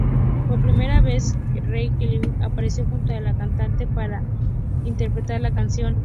Por primera vez, R. Kelly apareció junto a la cantante para interpretar la canción.